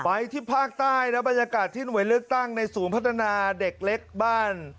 ไปที่ภาคใต้นะบรรยากาศที่หน่วยเลือกตั้งในศูนย์พัฒนาเด็กเล็กบ้าน